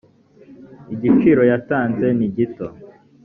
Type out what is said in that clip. igiciro yatanze nigito.